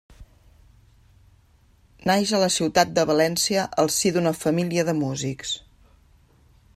Naix a la ciutat de València al si d'una família de músics.